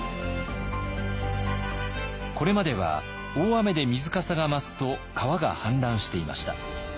これまでは大雨で水かさが増すと川が氾濫していました。